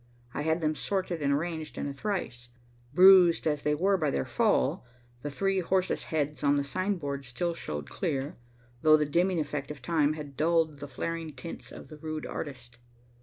I had them sorted and arranged in a trice. Bruised as they were by their fall, the three horses' heads on the sign board still showed clear, though the dimming effect of time had dulled the flaring tints of the rude artist.